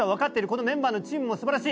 このメンバーのチームも素晴らしい！